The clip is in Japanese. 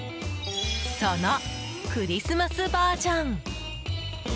そのクリスマスバージョン！